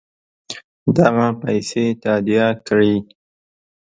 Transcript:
دغه پیسې تادیه کړي.